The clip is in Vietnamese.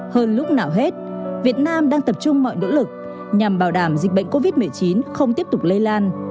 hơn lúc nào hết việt nam đang tập trung mọi nỗ lực nhằm bảo đảm dịch bệnh covid một mươi chín không tiếp tục lây lan